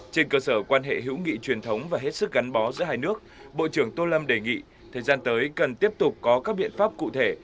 trên cơ sở quan hệ hữu nghị truyền thống và hết sức gắn bó giữa hai nước bộ trưởng tô lâm đề nghị thời gian tới cần tiếp tục có các biện pháp cụ thể